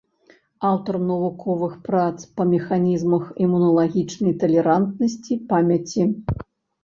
Аўтар навуковых прац па механізмах імуналагічнай талерантнасці, памяці.